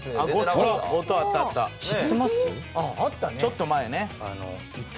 ちょっと前ね。